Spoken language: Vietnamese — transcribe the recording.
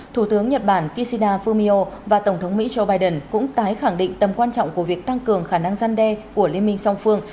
thủ tướng nhật bản kishida fumio và tổng thống mỹ joe biden cũng tái khẳng định tầm quan trọng của việc tăng cường khả năng gian đe của liên minh song phương